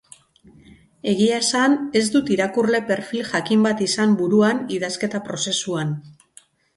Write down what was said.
Egia esan, ez dut irakurle perfil jakin bat izan buruan idazketa prozesuan.